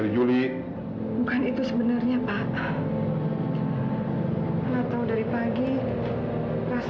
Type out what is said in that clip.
jangan sulitan bu